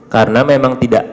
karena memang tidak